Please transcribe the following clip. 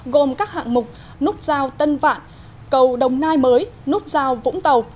gồm các hạng mục nút giao tân vạn cầu đồng nai mới nút giao vũng tàu